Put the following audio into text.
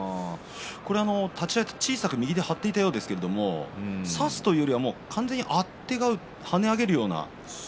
立ち合い小さく右で張っていったようですが差すというより完全にあてがう跳ね上げるような。